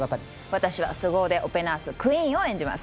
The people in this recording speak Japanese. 私は凄腕オペナース・クイーンを演じます